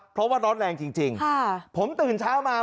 เพราะว่าร้อนแรงจริงผมตื่นเช้ามา